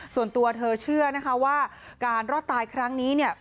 ส่วนตัวเธอเชื่อนะคะว่าการรอดตายครั้งนี้เนี่ย